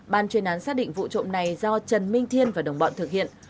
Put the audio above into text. ban chuyên án xác định vụ trộm này do trần minh thiên và đồng bọn thực hiện